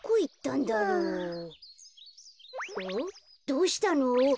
どうしたの？